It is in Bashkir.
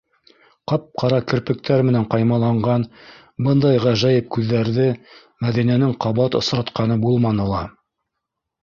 Ҡап-ҡара керпектәр менән ҡаймаланған бындай ғәжәйеп күҙҙәрҙе Мәҙинәнең ҡабат осратҡаны булманы ла.